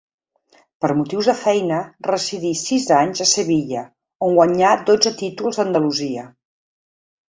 Per motius de feina residí sis anys a Sevilla, on guanyà dotze títols d'Andalusia.